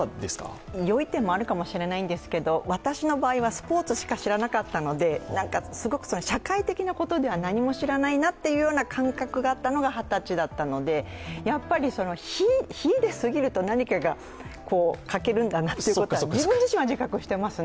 よい点もあるかもしれないんですけど、私の場合はスポーツしか知らなかったのですごく社会的なことでは何も知らないなという感覚があったのが二十歳だったので、やっぱり秀ですぎると何かが欠けるんだなというのは自分自身は自覚していますね。